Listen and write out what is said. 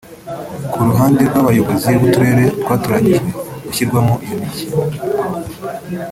Ku ruhande rw’abayobozi b’Uturere twatoranyijwe gushyirwamo iyo mijyi